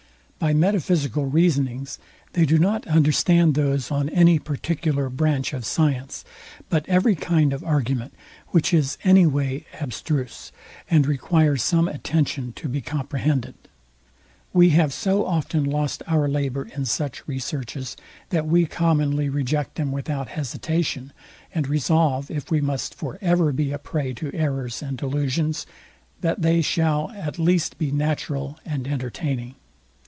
By metaphysical reasonings, they do not understand those on any particular branch of science, but every kind of argument, which is any way abstruse, and requires some attention to be comprehended. We have so often lost our labour in such researches, that we commonly reject them without hesitation, and resolve, if we must for ever be a prey to errors and delusions, that they shall at least be natural and entertaining.